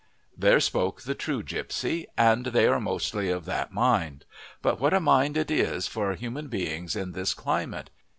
There spoke the true gipsy; and they are mostly of that mind. But what a mind it is for human beings in this climate!